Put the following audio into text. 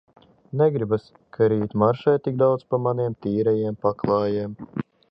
Negribas, ka rīt maršē tik daudz pa maniem tīrajiem paklājiem.